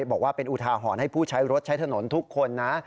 บอกว่าเป็นอุทาหรณ์ให้ผู้ใช้รถใช้ถนนทุกคนนะ